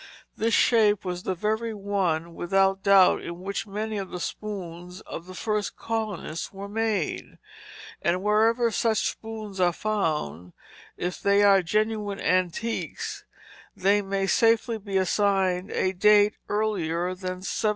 This shape was the very one without doubt in which many of the spoons of the first colonists were made; and wherever such spoons are found, if they are genuine antiques, they may safely be assigned a date earlier than 1714.